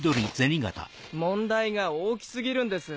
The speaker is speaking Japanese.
問題が大き過ぎるんです。